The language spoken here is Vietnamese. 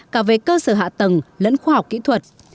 cả về cơ sở hạ tầng lẫn khoa học kỹ thuật